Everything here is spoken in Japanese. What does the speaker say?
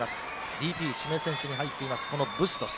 ＤＰ、指名選手に入っているこのブストス。